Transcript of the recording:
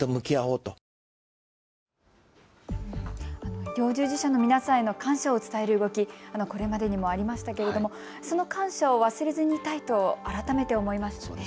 医療従事者の皆さんへの感謝を伝える動き、これまでにもありましたけれども、その感謝を忘れずにいたいと改めて思いました。